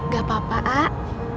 gak apa apa ah